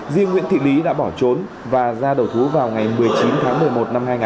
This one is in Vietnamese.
riêng nguyễn thị lý đã bỏ trốn và ra đầu thú vào ngày một mươi chín tháng một mươi một năm hai nghìn hai mươi